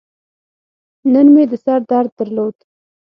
نن مې د سر درد درلود.